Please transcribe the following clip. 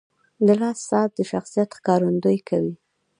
• د لاس ساعت د شخصیت ښکارندویي کوي.